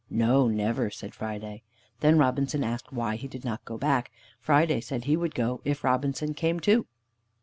"No, never," said Friday. Then Robinson asked why he did not go back. Friday said he would go if Robinson came too.